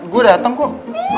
gue dateng kok